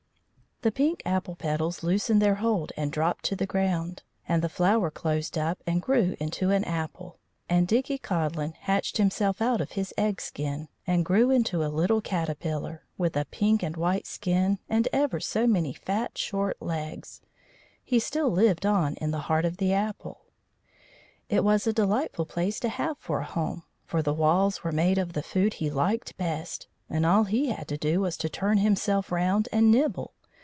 The pink apple petals loosened their hold and dropped to the ground, and the flower closed up and grew into an apple. And Dickie Codlin hatched himself out of his egg skin and grew into a little caterpillar, with a pink and white skin and ever so many fat, short legs. He still lived on in the heart of the apple. It was a delightful place to have for a home, for the walls were made of the food he liked best, and all he had to do was to turn himself round and nibble.